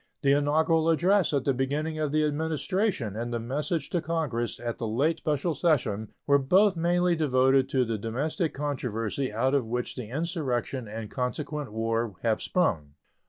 The inaugural address at the beginning of the Administration and the message to Congress at the late special session were both mainly devoted to the domestic controversy out of which the insurrection and consequent war have sprung.